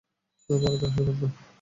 বড়দের আশীর্বাদ নাও।